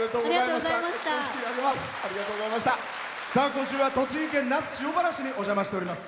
今週は栃木県那須塩原市にお邪魔しております。